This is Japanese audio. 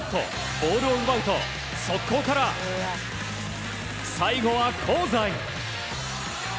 ボールを奪うと、速攻から最後は香西。